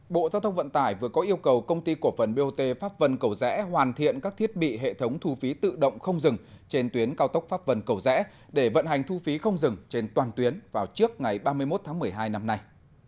bộ giao thông vận tải vừa có yêu cầu công ty cổ phần bot pháp vân cầu rẽ hoàn thiện các thiết bị hệ thống thu phí tự động không dừng trên tuyến cao tốc pháp vân cầu rẽ để vận hành thu phí không dừng trên toàn tuyến vào trước ngày ba mươi một tháng một mươi hai năm nay